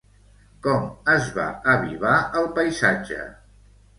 Com es va avivar el paisatge?